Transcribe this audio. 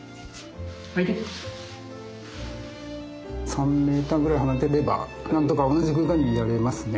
３ｍぐらい離れてればなんとか同じ空間にはいられますね。